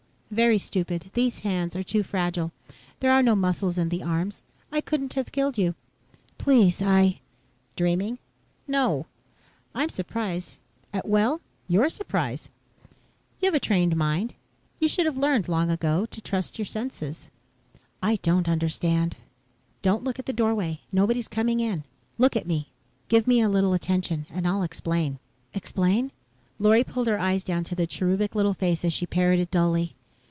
"Very stupid. These hands are too fragile. There are no muscles in the arms. I couldn't have killed you." "Please I ..." "Dreaming? No. I'm surprised at well, at your surprise. You have a trained mind. You should have learned, long ago, to trust your senses." "I don't understand." "Don't look at the doorway. Nobody's coming in. Look at me. Give me a little attention and I'll explain." "Explain?" Lorry pulled her eyes down to the cherubic little face as she parroted dully.